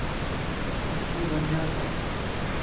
اسين ونياتا